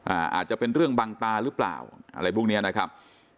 อาจจะเป็นเรื่องบังตาหรือเปล่าอะไรพวกเนี้ยนะครับ